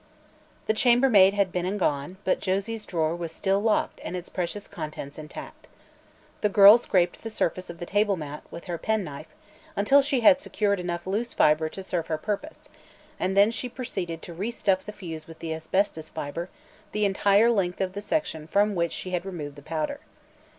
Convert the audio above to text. The chambermaid had "been and gone," but Josie's drawer was still locked and its precious contents intact. The girl scraped the surface of the table mat with her pen knife until she had secured enough loose fibre to serve her purpose and then she proceeded to restuff the fuse with the asbestos fibre the entire length of the section from which she had removed the powder.